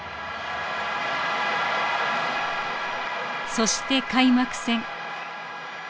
そして開幕戦。